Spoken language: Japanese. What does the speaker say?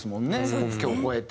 国境を超えて。